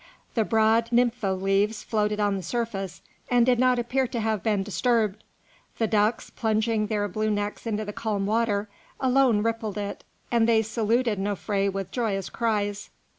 The broad nymphoea leaves floated on the surface, and did not appear to have been disturbed; the ducks, plunging their blue necks into the calm water, alone rippled it, and they saluted Nofré with joyous cries.